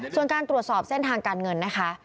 ส่วนการตรวจสอบเส้นทางการเงินนะคะ